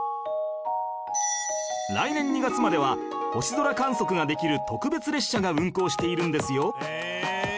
来年２月までは星空観測ができる特別列車が運行しているんですよ